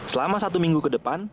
selama satu minggu ke depan